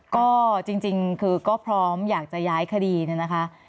ก็จริงคือก็พร้อมอยากจะย้ายคดีเนี่ยนะคะ